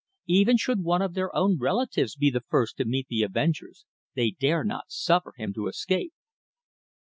Even should one of their own relatives be the first to meet the avengers they dare not suffer him to escape."